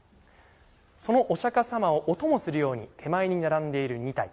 そのお釈迦様をお供するように手前に並んでいる２体。